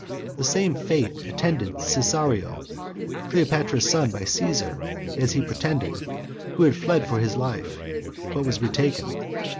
The same fate attended Caesario, Cleopatra's son by Caesar, as he pretended, who had fled for his life, but was retaken.